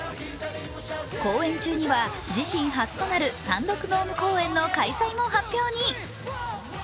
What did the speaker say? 公演中には、自身初となる単独ドーム公演の開催も発表に。